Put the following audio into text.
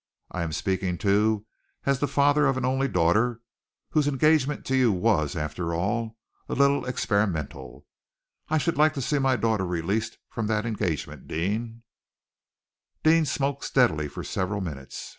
I am speaking, too, as the father of an only daughter, whose engagement to you was, after all, a little experimental. I should like to see my daughter released from that engagement, Deane." Deane smoked steadily for several minutes.